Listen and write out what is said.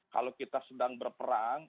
kalau kita sedang berperang